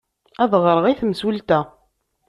Ad ɣreɣ i temsulta.